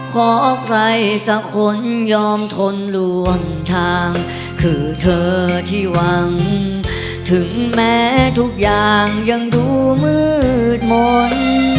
ขอใครสักคนยอมทนลวงทางคือเธอที่หวังถึงแม้ทุกอย่างยังดูมืดมนต์